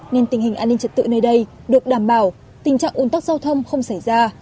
nên tình hình an ninh trật tự nơi đây được đảm bảo tình trạng ủn tắc giao thông không xảy ra